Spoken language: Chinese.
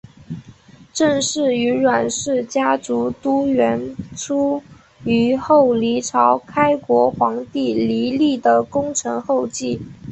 郑氏与阮氏家族都源出于后黎朝开国皇帝黎利的功臣后裔。